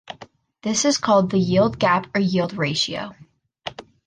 This is called the yield gap or Yield Ratio.